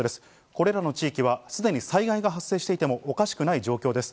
これらの地域はすでに災害が発生していてもおかしくない状況です。